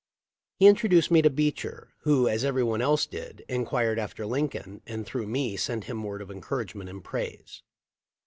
He introduced me to Beecher, who, as everybody else did, inquired after Lincoln and through me sent him words of encouragement and praise.